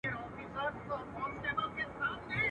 مرګ له خدایه په زاریو ځانته غواړي.